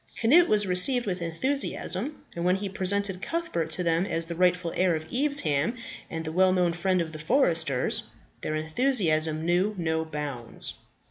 Cnut was received with enthusiasm, and when he presented Cuthbert to them as the rightful heir of Evesham and the well known friend of the foresters, their enthusiasm knew no bounds.